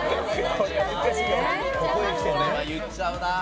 これは言っちゃうなあ。